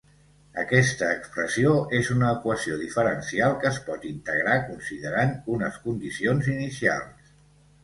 Aquesta expressió és una equació diferencial que es pot integrar considerant unes condicions inicials.